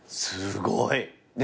すごい。